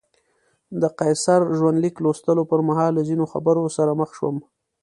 د قیصر ژوندلیک لوستلو پر مهال له ځینو خبرو سره مخ شوم.